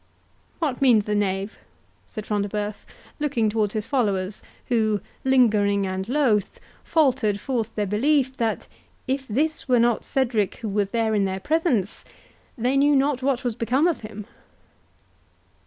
"What means the knave?" said Front de Bœuf, looking towards his followers, who, lingering and loath, faltered forth their belief, that if this were not Cedric who was there in presence, they knew not what was become of him.